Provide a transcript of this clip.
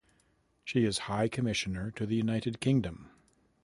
She is High Commissioner to the United Kingdom.